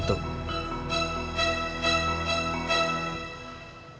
aku kesal dengan telah lama